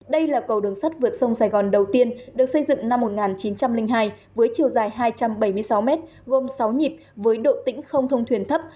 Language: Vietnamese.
đây là cầu đường sắt vượt sông sài gòn đầu tiên được xây dựng năm một nghìn chín trăm linh hai với chiều dài hai trăm bảy mươi sáu m gồm sáu nhịp với độ tĩnh không thông thuyền thấp